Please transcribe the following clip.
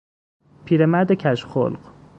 پیرمرد کژخلق